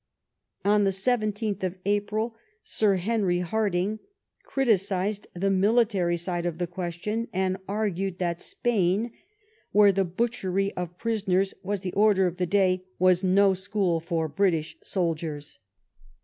*' On the 17th of April, Sir Henry Hardinge criticised the military side of the question, and argued that Spain, where the butchery of prisoners was the order of the day, was no school for British soldiers.